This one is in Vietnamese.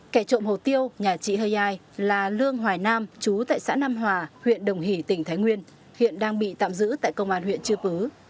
kẻ trộm hổ tiêu nhà chị hơ giai là lương hoài nam chú tại xã nam hòa huyện đồng hỷ tỉnh thái nguyên hiện đang bị tạm giữ tại công an huyện chư pứ